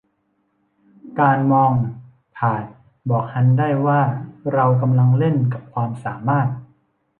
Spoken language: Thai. การมองผาดบอกฮันได้ว่า เรากำลังเล่นกับความสามารถ